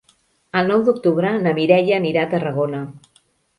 El nou d'octubre na Mireia anirà a Tarragona.